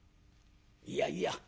「いやいや。